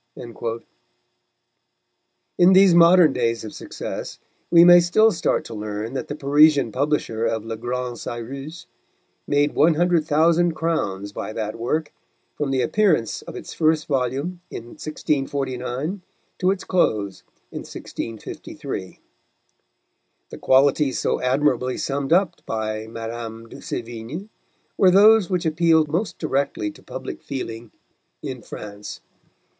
In these modern days of success, we may still start to learn that the Parisian publisher of Le Grand Cyrus made 100,000 crowns by that work, from the appearance of its first volume in 1649 to its close in 1653. The qualities so admirably summed up by Madame de Sévigné were those which appealed most directly to public feeling in France.